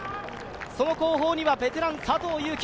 その後方にはベテラン・佐藤悠基。